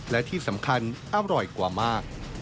และที่สำคัญอร่อยกว่ามาก